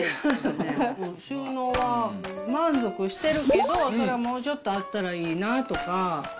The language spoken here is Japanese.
収納は、満足してるけど、それはもうちょっとあったらいいなとか。